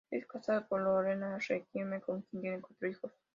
Es casado con Lorena Riquelme, con quien tiene cuatro hijos.